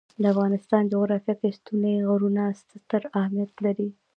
د افغانستان جغرافیه کې ستوني غرونه ستر اهمیت لري.